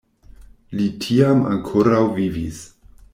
Li tiam ankoraŭ vivis.